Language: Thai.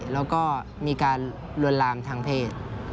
แล้วก็มีการลวนลามทางเพศ